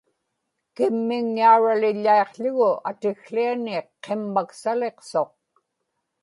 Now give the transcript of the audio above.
kimmigñauraliḷḷaiqł̣ugu atikłiani qimmaksaliqsuq